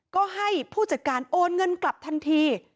ก็ให้ผู้จัดการโอนเงินกลับทันที